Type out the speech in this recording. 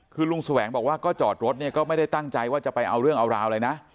คือลุงแสวงบอกว่าก็จอดรถเนี่ยก็ไม่ได้ตั้งใจว่าจะไปเอาเรื่องเอาราวอะไรนะ